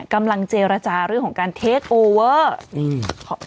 กำลังเจรจาเรื่องของการโดยตาย